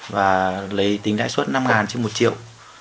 và lấy tính lãi suất năm trên một triệu